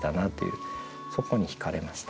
そこにひかれました。